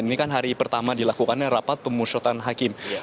ini kan hari pertama dilakukan rapat pemusyawatan hakim